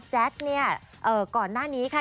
แจ๊คเนี่ยก่อนหน้านี้ค่ะ